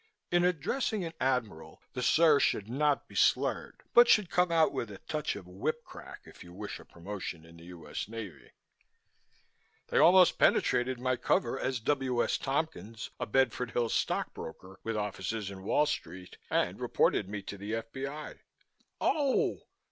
in addressing an Admiral, the "sir!" should not be slurred but should come out with a touch of whip crack, if you wish promotion in the U.S. Navy "They almost penetrated my cover as W. S. Tompkins, a Bedford Hills stock broker with offices in Wall Street, and reported me to the F.B.I." "Oh!"